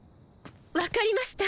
わかりました。